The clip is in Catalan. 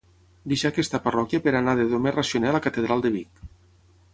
Deixà aquesta parròquia per anar de domer racioner a la catedral de Vic.